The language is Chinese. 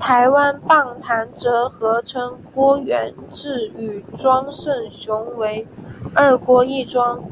台湾棒坛则合称郭源治与庄胜雄为二郭一庄。